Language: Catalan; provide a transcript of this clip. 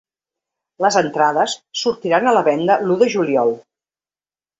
Les entrades sortiran a la venda l’u de juliol.